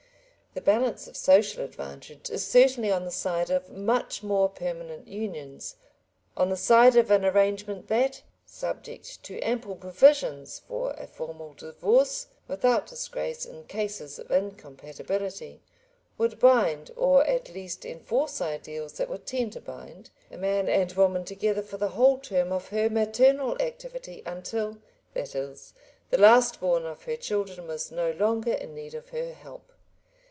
The balance of social advantage is certainly on the side of much more permanent unions, on the side of an arrangement that, subject to ample provisions for a formal divorce without disgrace in cases of incompatibility, would bind, or at least enforce ideals that would tend to bind, a man and woman together for the whole term of her maternal activity, until, that is, the last born of her children was no longer in need of her help.